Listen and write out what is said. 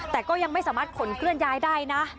แต่ก็ยังไม่สามารถขนเคลื่อนย้ายได้นะ